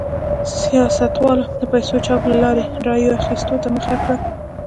سیاستوالو د پیسو چاپ له لارې رایو اخیستو ته مخه کړه.